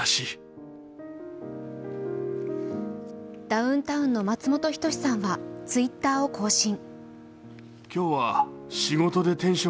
ダウンタウンの松本人志さんはＴｗｉｔｔｅｒを更新。